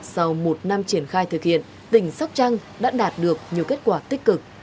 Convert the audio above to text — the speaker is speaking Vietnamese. sau một năm triển khai thực hiện tỉnh sóc trăng đã đạt được nhiều kết quả tích cực